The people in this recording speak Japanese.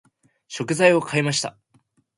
食材を買いました。